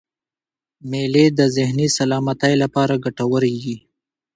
مېلې د ذهني سلامتۍ له پاره ګټوري يي.